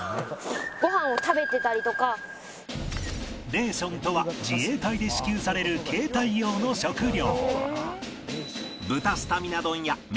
レーションとは自衛隊で支給される携帯用の食料